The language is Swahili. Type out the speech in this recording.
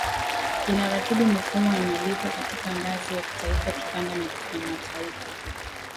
inaratibu mifumo ya malipo katika ngazi ya kitaifa kikanda na kimataifa